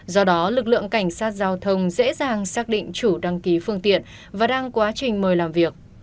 do đó lực lượng cảnh sát giao thông dễ dàng xác định chủ đăng ký phương tiện và đang quá trình mời làm việc